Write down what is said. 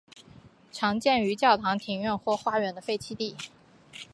常见于教堂庭院或花园的废弃地。